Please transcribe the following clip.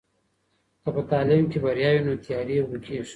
که په تعلیم کې بریا وي نو تیارې ورکېږي.